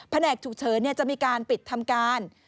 แผนแอบถูกเฉินจะมีการปิดทำการ